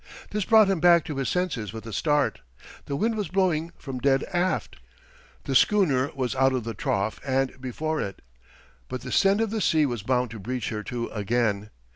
This brought him back to his senses with a start. The wind was blowing from dead aft! The schooner was out of the trough and before it! But the send of the sea was bound to breach her to again.